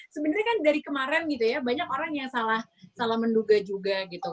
sebenarnya kan dari kemarin gitu ya banyak orang yang salah menduga juga gitu